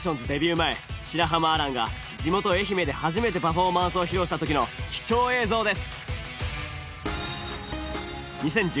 前白濱亜嵐が地元愛媛で初めてパフォーマンスを披露したときの貴重映像です！